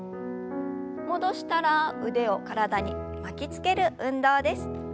戻したら腕を体に巻きつける運動です。